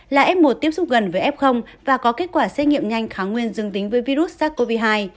là f một tiếp xúc gần với f và có kết quả xét nghiệm nhanh kháng nguyên dương tính với virus sars cov hai